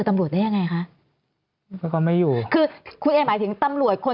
ตำรวจได้ยังไงคะแล้วก็ไม่อยู่คือคุณเอหมายถึงตำรวจคน